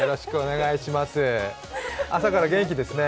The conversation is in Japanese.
朝から元気ですね。